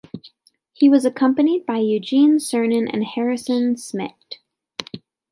He was accompanied by Eugene Cernan and Harrison Schmitt.